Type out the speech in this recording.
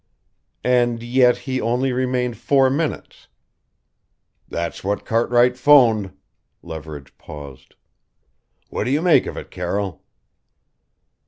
"And yet he only remained four minutes?" "That's what Cartwright 'phoned." Leverage paused. "What do you make of it, Carroll?"